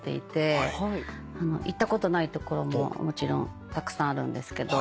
行ったことない所ももちろんたくさんあるんですけど。